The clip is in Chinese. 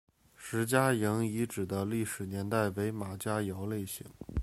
石家营遗址的历史年代为马家窑类型。